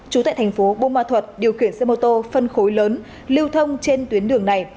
trú tại thành phố bô ma thuật điều khiển xe mô tô phân khối lớn lưu thông trên tuyến đường này